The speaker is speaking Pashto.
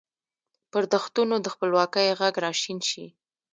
پر دښتونو د خپلواکۍ ږغ را شین شي